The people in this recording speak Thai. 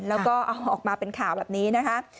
แล้วก็เอาออกมาเป็นข่าวแบบนี้นะคะ